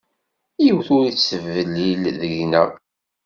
Yiwet ur teblil deg-nteɣ.